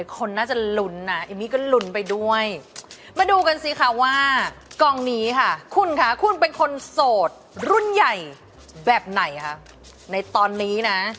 คนน่าจะลุ้นนะเอมมี่ก็ลุ้นไปด้วยมาดูกันสิคะว่ากองนี้ค่ะคุณคะคุณเป็นคนโสดรุ่นใหญ่แบบไหนคะในตอนนี้นะ